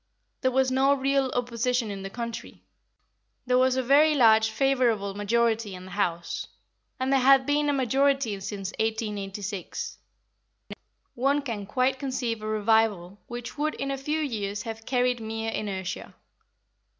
There was no real opposition in the country; there was a very large favourable majority in the House, and there had been a majority since 1886. One can quite conceive a revival which would in a few years have carried mere inertia.